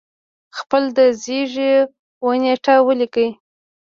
خپل د زیږی و نېټه ولیکل